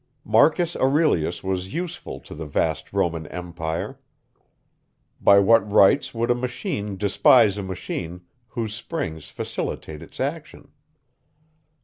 Marcus Aurelius was useful to the vast Roman Empire. By what right would a machine despise a machine, whose springs facilitate its action?